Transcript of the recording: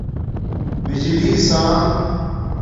بجلی سݳنݣ